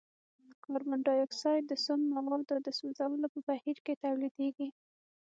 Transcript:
کاربن ډای اکسايډ د سون موادو د سوځولو په بهیر کې تولیدیږي.